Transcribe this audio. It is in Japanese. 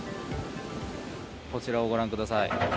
こちらを御覧ください。